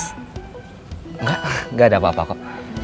enggak enggak ada apa apa kok